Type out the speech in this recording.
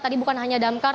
tadi bukan hanya damkar